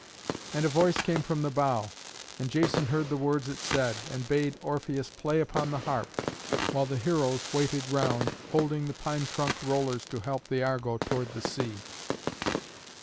And a voice came from the bough, and Jason heard the words it said, and bade Orpheus play upon the harp, while the heroes waited round, holding the pine trunk rollers to help the Argo toward the sea.